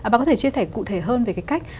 bà có thể chia sẻ cụ thể hơn về cái cách